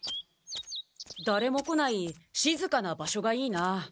だれも来ないしずかな場所がいいなあ。